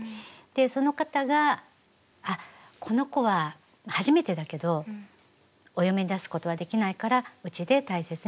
その方が「あっこの子は初めてだけどお嫁に出すことはできないからうちで大切に育てよう」。